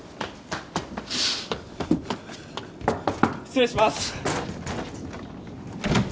失礼します。